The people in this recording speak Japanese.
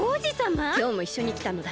きょうもいっしょにきたのだ。